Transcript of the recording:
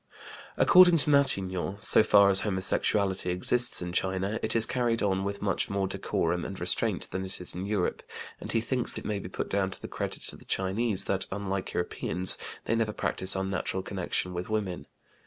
According to Matignon, so far as homosexuality exists in China, it is carried on with much more decorum and restraint than it is in Europe, and he thinks it may be put down to the credit of the Chinese that, unlike Europeans, they never practice unnatural connection with women.